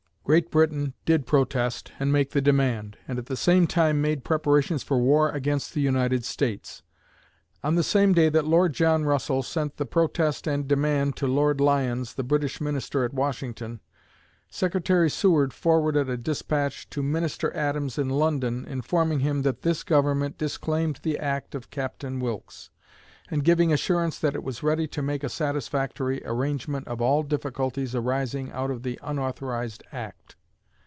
Great Britain did protest and make the demand, and at the same time made preparations for war against the United States. On the same day that Lord John Russell sent the protest and demand to Lord Lyons, the British Minister at Washington, Secretary Seward forwarded a despatch to Minister Adams in London, informing him that this Government disclaimed the act of Captain Wilkes, and giving assurance that it was ready to make a satisfactory arrangement of all difficulties arising out of the unauthorized act.